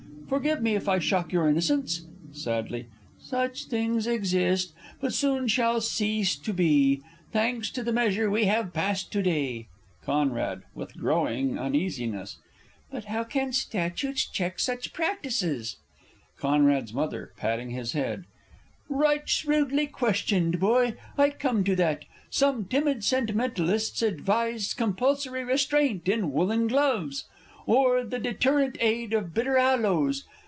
_ Forgive me if I shock your innocence! (Sadly.) Such things exist but soon shall cease to be, Thanks to the measure we have passed to day! Con. (with growing uneasiness). But how can statutes check such practices? C.'s M. (patting his head). Right shrewdly questioned, boy! I come to that. Some timid sentimentalists advised Compulsory restraint in woollen gloves, Or the deterrent aid of bitter aloes.